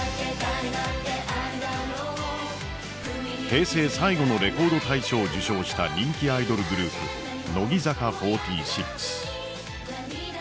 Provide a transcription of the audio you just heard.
平成最後のレコード大賞を受賞した人気アイドルグループ乃木坂４６。